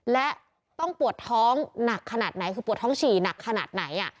และต้องปวดท้องหนักขนาดไหนคือปวดท้องฉี่หนักขนาดไหน